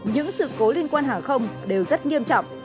những sự cố liên quan hàng không đều rất nghiêm trọng